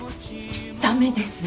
駄目です。